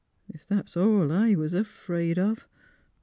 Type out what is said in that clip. " Ef that's all I was 'fraid of.